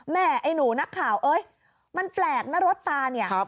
แม่ไอ้หนูนักข่าวมันแปลกนะรถตา